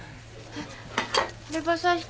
あっ。